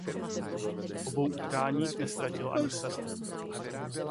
V obou utkáních neztratil ani set.